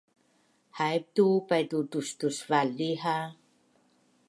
Haip tu paitu tustusvali ha